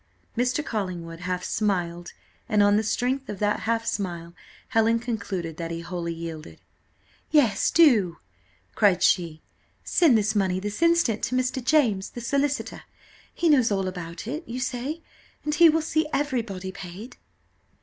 Mr. Collingwood half smiled, and on the strength of that half smile Helen concluded that he wholly yielded. "Yes, do," cried she, "send this money this instant to Mr. James, the solicitor: he knows all about it, you say, and he will see everybody paid."